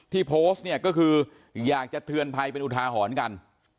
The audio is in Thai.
ที่โพสต์เนี่ยก็คืออยากจะเตือนภัยเป็นอุทาหรณ์กัน